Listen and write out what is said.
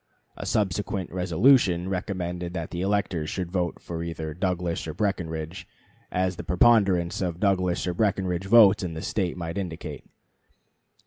A subsequent resolution (August 9) recommended that the electors should vote for either Douglas or Breckinridge, as the preponderance of Douglas or Breckinridge votes in the State might indicate.